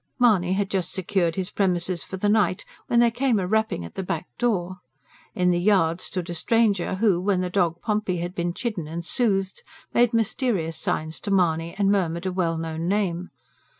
Mahony had just secured his premises for the night, when there came a rapping at the back door. In the yard stood a stranger who, when the dog Pompey had been chidden and soothed, made mysterious signs to Mahony and murmured a well known name.